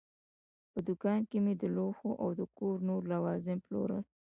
په دوکان کې مې د لوښو او د کور نور لوازم پلورل.